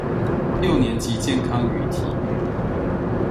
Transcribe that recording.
六年級健康與體育